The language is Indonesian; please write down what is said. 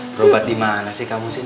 perubat dimana sih kamu sih